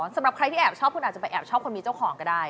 สำหรับใครที่แอบชอบคุณอาจจะไปแอบชอบคนมีเจ้าของก็ได้